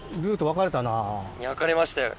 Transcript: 分かれましたよ。